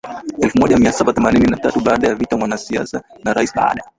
elfu moja mia saba themanini na tatuBaada ya vita mwanasiasa na rais Baada